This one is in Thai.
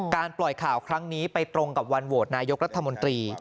ปล่อยข่าวครั้งนี้ไปตรงกับวันโหวตนายกรัฐมนตรี